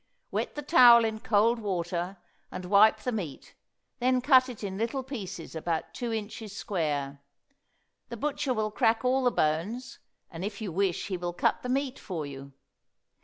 Wet the towel in cold water and wipe the meat, then cut it in little pieces about two inches square. The butcher will crack all the bones, and if you wish he will cut the meat for you.